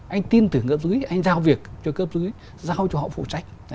anh tin tưởng cấp dưới anh giao việc cho cấp dưới giao cho họ phụ trách